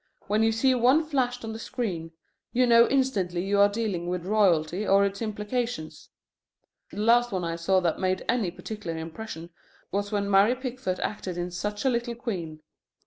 When you see one flashed on the screen, you know instantly you are dealing with royalty or its implications. The last one I saw that made any particular impression was when Mary Pickford acted in Such a Little Queen.